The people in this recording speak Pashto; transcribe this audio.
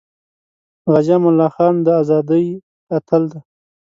غازی امان الله خان د ازادی اتل دی